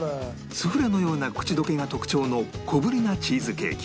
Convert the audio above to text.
スフレのような口溶けが特徴の小ぶりなチーズケーキ